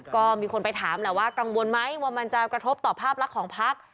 ก็มีคนไปถามแหละว่ากังวลไหมว่ามันจะกระทบต่อภาพลักษณ์ของพัก